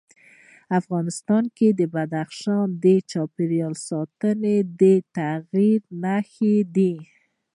افغانستان کې بدخشان د چاپېریال د تغیر نښه ده.